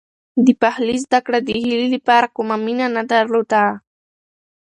د پخلي زده کړه د هیلې لپاره کومه مینه نه درلوده.